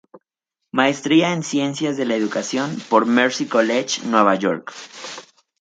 Maestría en ciencias de la educación por Mercy College, Nueva York.